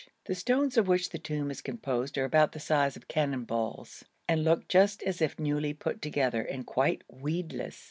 The stones of which the tomb is composed are about the size of cannon balls, and look just as if newly put together and quite weedless.